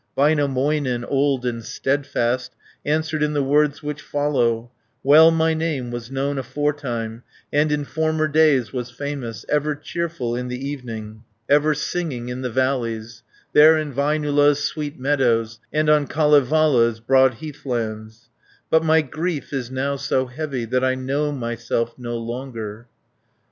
Väinämöinen, old and steadfast, Answered in the words which follow: 210 "Well my name was known aforetime, And in former days was famous, Ever cheerful in the evening, Ever singing in the valleys, There in Väinölä's sweet meadows, And on Kalevala's broad heathlands; But my grief is now so heavy That I know myself no longer."